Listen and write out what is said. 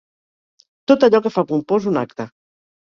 Tot allò que fa pompós un acte.